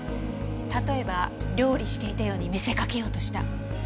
例えば料理していたように見せかけようとした。